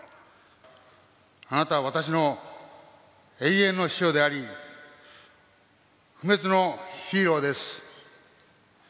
あなたは私の永遠の師匠であり、不滅のヒーローです。